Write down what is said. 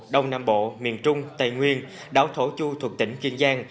đông nam bộ miền trung tây nguyên đảo thổ chu thuộc tỉnh kiên giang